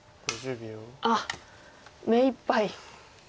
あっ目いっぱい。